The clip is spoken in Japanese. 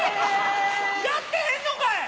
やってへんのかい！